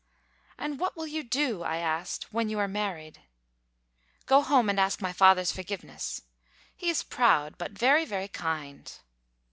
"And what will you do," I asked, "when you are married?" "Go home and ask my father's forgiveness. He is proud; but very, very kind."